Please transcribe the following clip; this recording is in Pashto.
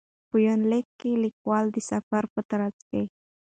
په یونلیک کې لیکوال د سفر په ترڅ کې.